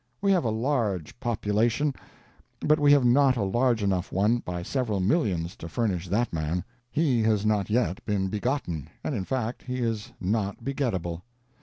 We have a large population, but we have not a large enough one, by several millions, to furnish that man. He has not yet been begotten, and in fact he is not begettable.